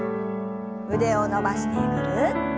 腕を伸ばしてぐるっと。